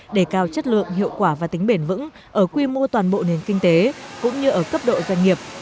để cao chất lượng hiệu quả và tính bền vững ở quy mô toàn bộ nền kinh tế cũng như ở cấp độ doanh nghiệp